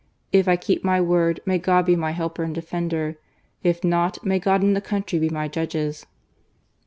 If I keep my word, may God be my helper and defender ! If not, may God and the country be my judges."